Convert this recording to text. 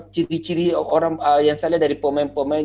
ciri ciri orang yang saya lihat dari pemain pemain